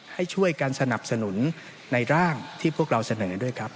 ให้ช่วยกันสนับสนุนในร่างที่พวกเราเสนอด้วยครับ